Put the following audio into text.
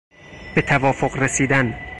به توافق رسیدن